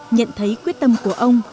nhận thấy quyết tâm của ông